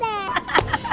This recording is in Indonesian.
gantung pinter deh